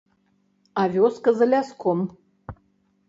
А вёска за ляском.